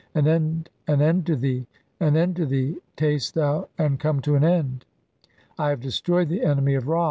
"An end, an end to thee, an end to thee, taste thou, "and come to an end. I have destroyed the enemy "of Ra.'